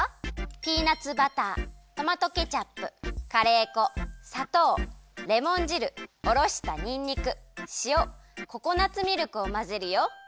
ピーナツバタートマトケチャップカレー粉さとうレモン汁おろしたにんにくしおココナツミルクをまぜるよ。